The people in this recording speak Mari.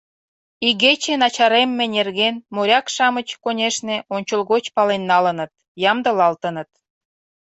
Игече начаремме нерген моряк-шамыч, конешне, ончылгоч пален налыныт, ямдылалтыныт.